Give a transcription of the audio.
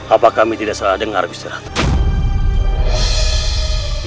apa kami tidak salah dengar gusti ratna